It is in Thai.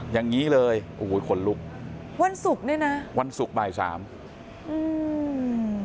อย่างงี้เลยโอ้โหขนลุกวันศุกร์เนี้ยนะวันศุกร์บ่ายสามอืม